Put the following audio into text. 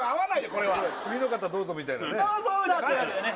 これは「次の方どうぞ」みたいなね